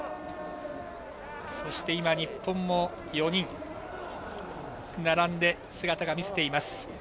そして、日本も４人並んで、姿を見せています。